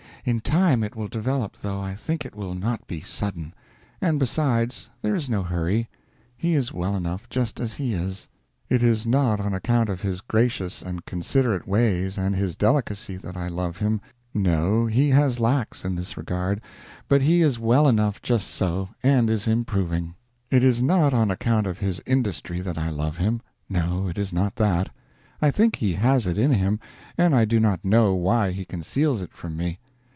In time it will develop, though I think it will not be sudden; and besides, there is no hurry; he is well enough just as he is. It is not on account of his gracious and considerate ways and his delicacy that I love him. No, he has lacks in this regard, but he is well enough just so, and is improving. It is not on account of his industry that I love him no, it is not that. I think he has it in him, and I do not know why he conceals it from me.